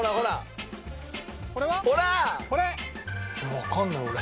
わかんない俺。